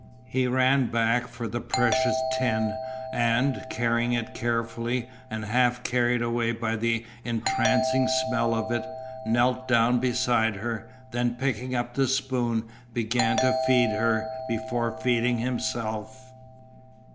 He ran back for the precious tin and, carrying it carefully, and half carried away by the entrancing smell of it, knelt down beside her, then picking up the spoon began to feed her before feeding himself.